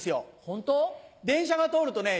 電車が通るとね